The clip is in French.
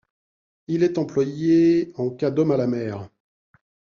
Il est employé en cas d'homme à la mer.